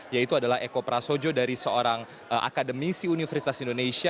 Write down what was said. yaitu adalah eko prasojo dari seorang akademisi universitas indonesia